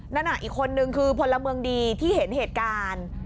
นั่นอีกคนนึงคือพลเมืองดีที่เห็นเหตุการณ์